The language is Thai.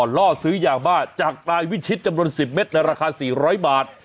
ล่อซื้ออย่างบ้านจากนายวิชิฯจำนวนสิบเมตรราคาสี่ร้อยบาท